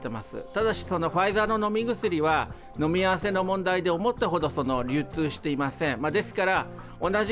ただしファイザーの飲み薬は飲み合わせの問題で思ったほど流通していません。